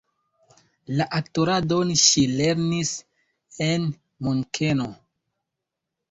La aktoradon ŝi lernis en Munkeno.